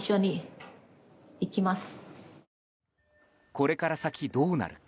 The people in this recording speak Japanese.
これから先どうなるか。